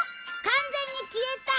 完全に消えた！